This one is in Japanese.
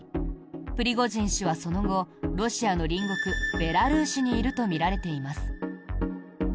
プリコジン氏はその後ロシアの隣国ベラルーシにいるとみられています。